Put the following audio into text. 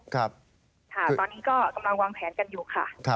กลุ่มเช้าตอนนี้ก็กำลังวางแผนกันอยู่ค่ะ